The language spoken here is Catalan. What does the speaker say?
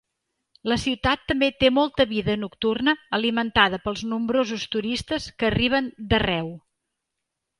La ciutat també té molta vida nocturna alimentada pels nombrosos turistes que arriben d'arreu.